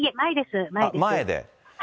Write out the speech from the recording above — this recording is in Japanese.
前で。